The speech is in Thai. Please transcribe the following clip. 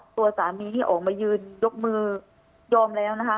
ตัวสามีนี่ออกมายืนยกมือยอมแล้วนะคะ